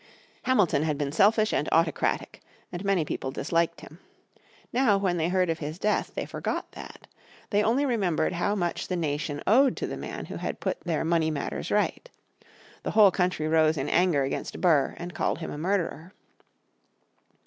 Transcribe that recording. Hamilton had been selfish and autocratic, and many people disliked him. Now when they heard of his death, they forgot that. They only remembered how much the nation owed to the man who had put their money matters right. The whole country rose in anger against Burr, and called him a murderer.